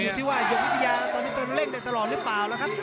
อยู่ที่ว่าหยกวิทยาตอนนี้ตนเร่งได้ตลอดหรือเปล่าแล้วครับ